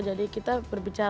jadi kita berbicara